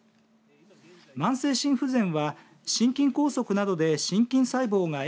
慢性心不全は心筋梗塞などで心筋細胞がえ